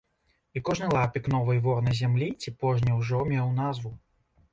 І кожны лапік новай ворнай зямлі ці пожні ўжо меў назву.